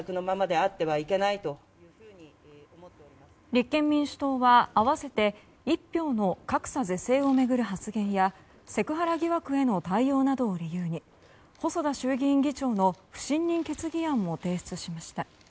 立憲民主党は、併せて一票の格差是正を巡る発言やセクハラ疑惑への対応などを理由に細田衆議院議長の不信任決議案も提出しました。